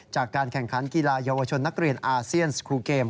จากการแข่งขันกีฬาเยาวชนนักเรียนอาเซียนสครูเกม